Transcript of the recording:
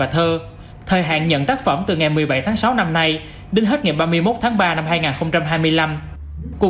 thời hạn nhận tác phẩm từ ngày một mươi bảy tháng sáu năm nay đến hết ngày ba mươi một tháng ba năm hai nghìn hai mươi năm của